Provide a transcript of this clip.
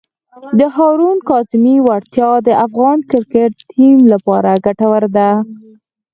د هارون کاظمي وړتیا د افغان کرکټ ټیم لپاره ګټوره ده.